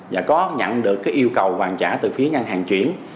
và có nhận được yêu cầu hoàn trả từ phía ngân hàng chuyển